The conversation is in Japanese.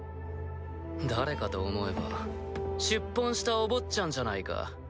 誰かと思えば出奔したお坊ちゃんじゃないか。